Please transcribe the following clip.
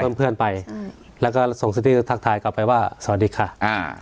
เพื่อนเพื่อนไปอืมแล้วก็ส่งสตี้ทักทายกลับไปว่าสวัสดีค่ะอ่า